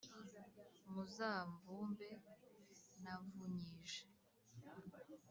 Muzamvumbe navunyije